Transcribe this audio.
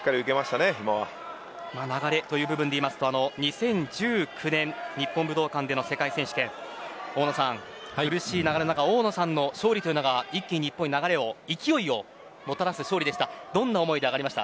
流れという部分で言うと２０１９年の日本武道館での世界選手権は苦しい流れの中、大野さんの勝利が日本に勢いをもたらす勝利でした。